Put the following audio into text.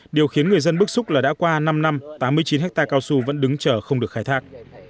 điều khiến người dân bức xúc là đã qua năm năm tám mươi chín hectare cao su vẫn đứng chờ không được khai thác